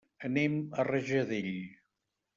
Anem a Rajadell.